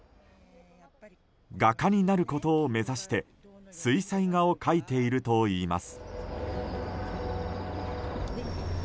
画家になることを目指して水彩画を描いているといいます。